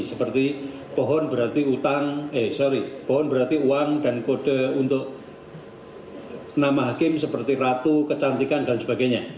seperti pohon berarti uang dan kode untuk nama hakim seperti ratu kecantikan dsb